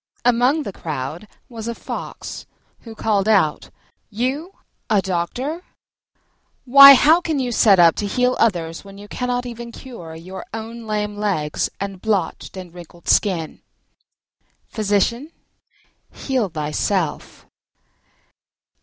Among the crowd was a Fox, who called out, "You a doctor! Why, how can you set up to heal others when you cannot even cure your own lame legs and blotched and wrinkled skin?" Physician, heal thyself.